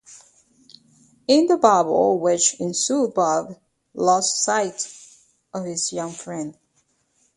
In the babel which ensued Bob lost sight of his young friend.